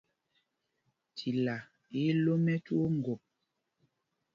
Tilá í í lō mɛ̄ twóó ŋgop.